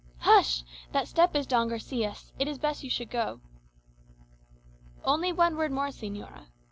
"Hush! that step is Don Garçia's. It is best you should go." "Only one word more, señora.